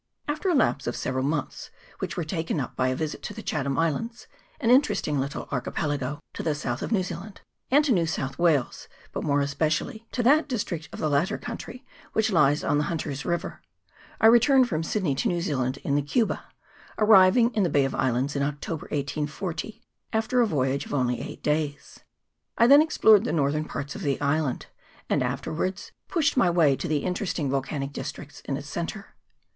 AFTER a lapse of several months, which were taken up by a visit to the Chatham Islands, an interesting little archipelago to the south of New Zealand, and to New South Wales, but more especially to that dis trict of the latter country which lies on the Hunter's River, I returned from Sidney to New Zealand in the Cuba, arriving in the Bay of Islands in October, 1840, after a voyage of only eight days. I then ex plored the northern parts of the island, and after wards pushed my way to the interesting volcanic districts in its centre.